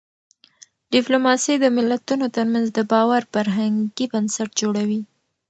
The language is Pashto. ډيپلوماسي د ملتونو ترمنځ د باور فرهنګي بنسټ جوړوي.